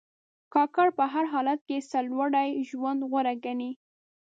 کاکړ په هر حالت کې سرلوړي ژوند غوره ګڼي.